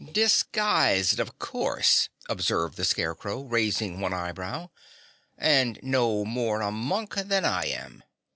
"Disguised, of course," observed the Scarecrow, raising one eyebrow, "and no more a monk than I am.